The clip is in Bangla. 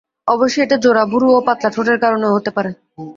অবশ্যি এটা জোড়া ভুরু ও পাতলা ঠোঁটের কারণেও হতে পারে।